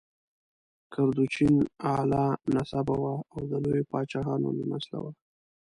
کردوچین اعلی نسبه وه او د لویو پاچاهانو له نسله وه.